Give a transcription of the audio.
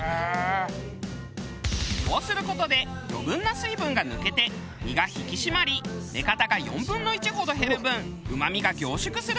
こうする事で余分な水分が抜けて身が引き締まり目方が４分の１ほど減る分うまみが凝縮するんだそう。